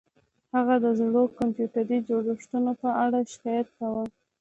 هغه د زړو کمپیوټري جوړښتونو په اړه شکایت کاوه